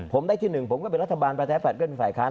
ผมได้ที่หนึ่งผมก็เป็นรัฐบาลประชาบัตย์ก็เป็นฝ่ายค้าน